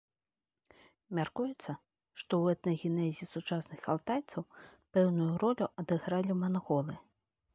Мяркуецца, што ў этнагенезе сучасных алтайцаў пэўную ролю адыгралі манголы.